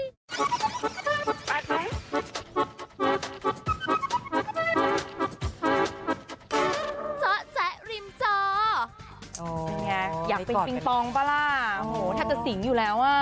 เจ้าแจ๊ะริมเจ้าอยากเป็นฟิงปองปะล่ะโอ้โหแท็บเตอร์สิงห์อยู่แล้วอ่ะ